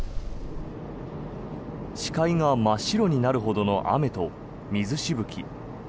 視界が真っ白になるほどの雨と水しぶき。